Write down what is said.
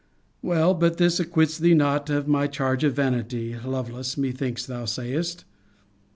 Well, but this acquits thee not of my charge of vanity, Lovelace, methinks thou sayest.